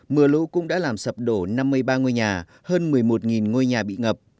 mưa lũ cũng đã làm sập đổ năm mươi ba ngôi nhà hơn một mươi một ngôi nhà bị ngập